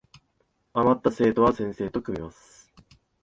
あまった生徒は先生と組みます